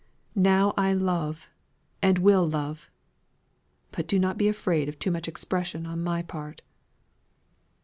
Now I love, and will love. But do not be afraid of too much expression on my part."